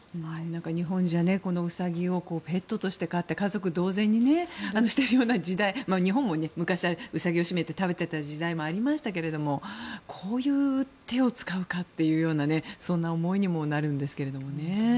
日本じゃウサギをペットとして飼って家族同然にしている時代日本も昔はウサギをしめて食べていた時代もありましたけどこういう手を使うかとそんな思いにもなりますね。